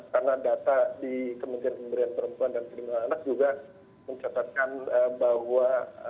karena data di kementerian pemberian perempuan dan perlindungan anak juga mencatatkan bahwa